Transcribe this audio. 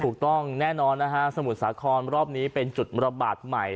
ถูกต้องแน่นอนนะฮะสมุทรสาครรอบนี้เป็นจุดระบาดใหม่